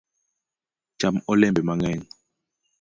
Cham olembe mang’eny